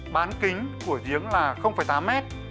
bán kính của giếng là tám mét